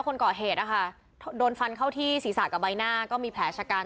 คนก่อเหตุนะคะโดนฟันเข้าที่ศีรษะกับใบหน้าก็มีแผลชะกัน